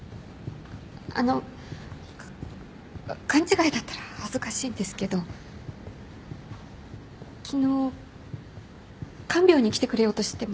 あのう勘違いだったら恥ずかしいんですけど昨日看病に来てくれようとしてましたか？